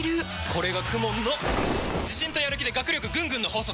これがＫＵＭＯＮの自信とやる気で学力ぐんぐんの法則！